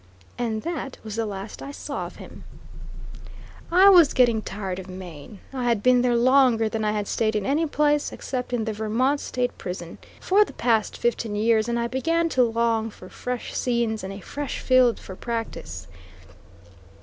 And that was the last I saw of him. I was getting tired of Maine. I had been there longer than I had stayed in any place, except in the Vermont State Prison, for the past fifteen years, and I began to long for fresh scenes and a fresh field for practice.